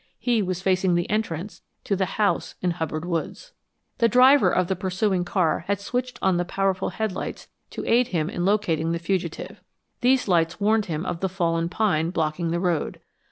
He was facing the entrance to the house in Hubbard Woods. The driver of the pursuing car had switched on the powerful headlights to aid him in locating the fugitive. These lights warned him of the fallen pine blocking the road.